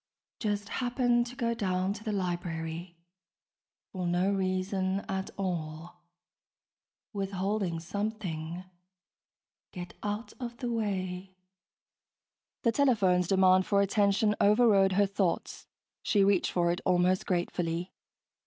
(Just happened to go down to the library ... for no reason at all ... withholding something ... get out of the way....) The telephone's demand for attention overrode her thoughts. She reached for it almost gratefully.